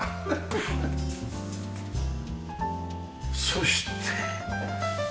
そして。